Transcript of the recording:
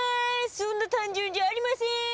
そんな単純じゃありません。